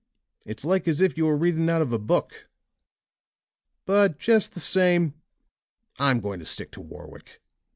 It's like as if you were reading out of a book. But, just the same, I'm going to stick to Warwick.